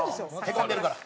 へこんでるから。